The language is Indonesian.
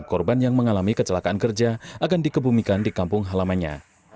korban yang mengalami kecelakaan kerja akan dikebumikan di kampung halamannya